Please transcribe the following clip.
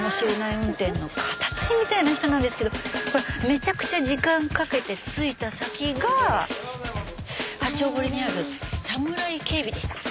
運転の塊みたいな人なんですけどめちゃくちゃ時間かけて着いた先が八丁堀にあるサムライ警備でした。